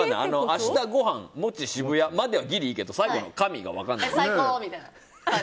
「あした」、「ごはん」「もち」、「渋谷」まではいいけど最後の「神」が分からない。